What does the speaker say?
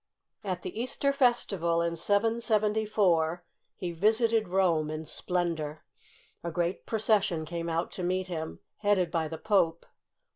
At the Easter Festival in 774, he visited Rome in splendor. A great procession came out to meet him, headed by the Pope.